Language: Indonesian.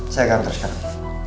saya kantor sekarang